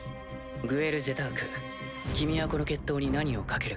グエル・ジェターク君はこの決闘に何を賭ける？